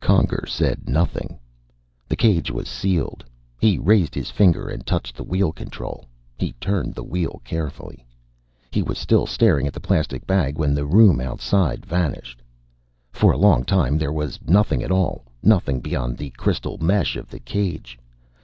Conger said nothing. The cage was sealed. He raised his finger and touched the wheel control. He turned the wheel carefully. He was still staring at the plastic bag when the room outside vanished. For a long time there was nothing at all. Nothing beyond the crystal mesh of the cage.